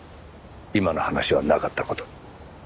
今の話はなかった事に。